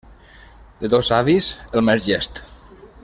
De dos savis, el més llest.